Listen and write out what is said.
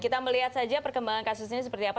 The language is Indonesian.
kita melihat saja perkembangan kasus ini seperti apa